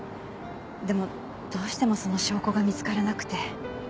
でもどうしてもその証拠が見つからなくて。